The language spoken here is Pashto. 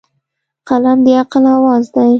قلم د عقل اواز دی.